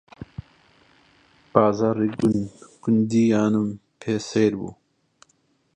بازاڕی گوندیانم پێ سەیر بوو